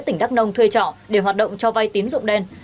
tỉnh đắk nông thuê trọ để hoạt động cho vay tín dụng đen